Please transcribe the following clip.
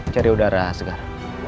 cari udara segar